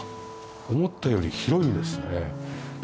思ったより広いんですね。